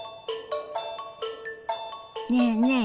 ねえねえ